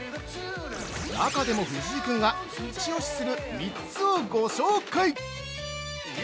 中でも藤井君が一押しする３つをご紹介。